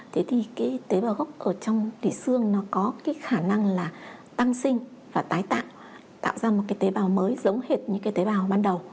thế thì tế bảo gốc ở trong tùy xương nó có khả năng là tăng sinh và tái tạng tạo ra một tế bảo mới giống hệt như tế bảo ban đầu